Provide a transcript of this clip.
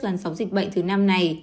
làn sóng dịch bệnh thứ năm này